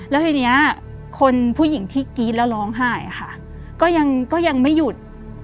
แล้วทีนี้คนผู้หญิงที่กรี๊ดแล้วร้องไห้ค่ะก็ยังไม่หยุด